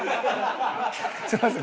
すみません。